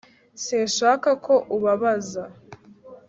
sinshaka ko ubabaza